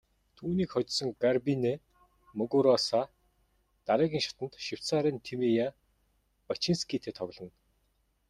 Түүнийг хожсон Гарбинэ Мугуруса дараагийн шатанд Швейцарын Тимея Бачинскитэй тоглоно.